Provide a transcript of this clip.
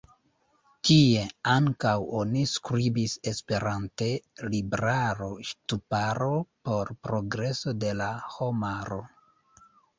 Tie ankaŭ oni skribis esperante "Libraro-Ŝtuparo por Progreso de la Homaro".